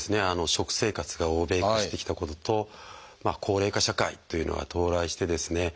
食生活が欧米化してきたことと高齢化社会っていうのが到来してですね